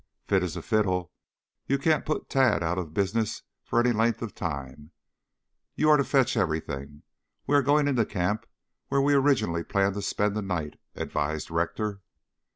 "Fit as a fiddle. You can't put Tad out of business for any length of time. You are to fetch everything. We are going into camp where we originally planned to spend the night," advised Rector.